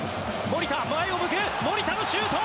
守田、前を向く守田のシュート！